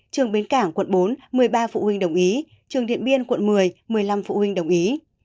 trường bến cảng quận bốn một mươi ba phụ huynh đồng ý trường điện biên quận một mươi một mươi năm phụ huynh đồng ý